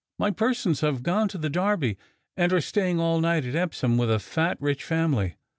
My persons have gone to the Derby, and are staying all night at Epsom with a fat, rich family.